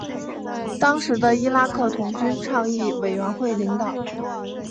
当时的伊拉克童军倡议委员会领导。